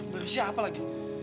berusia apa lagi